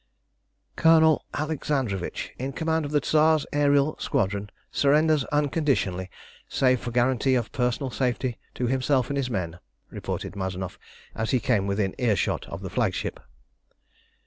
"Colonel Alexandrovitch, in command of the Tsar's aërial squadron, surrenders unconditionally, save for guarantee of personal safety to himself and his men," reported Mazanoff, as he came within earshot of the flagship.